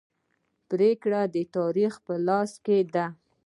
پریکړه د تاریخ په لاس کې ده.